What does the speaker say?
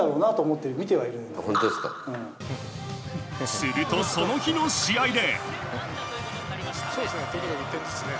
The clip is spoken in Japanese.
すると、その日の試合で。